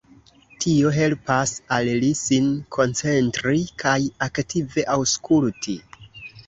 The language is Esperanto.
Tio helpas al li sin koncentri kaj aktive aŭskulti.